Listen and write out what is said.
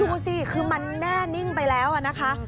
ดูสิคือมันแน่นิ่งไปแล้วนะคะ